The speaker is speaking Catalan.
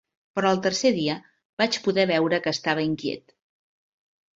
Però al tercer dia vaig poder veure que estava inquiet.